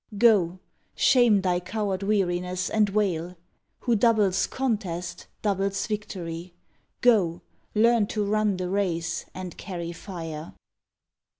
Go! shame thy coward weariness, and wail. Who doubles contest, doubles victory. Go! learn to run the race, and carry fire.